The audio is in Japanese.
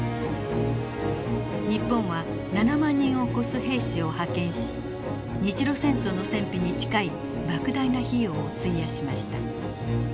日本は７万人を超す兵士を派遣し日露戦争の戦費に近いばく大な費用を費やしました。